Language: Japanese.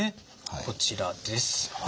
こちらです。